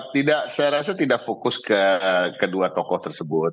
tidak saya rasa tidak fokus ke kedua tokoh tersebut